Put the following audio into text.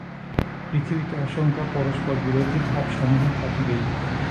পৃথিবীতে অসংখ্য পরস্পরবিরোধী ভাবসমূহ থাকিবেই।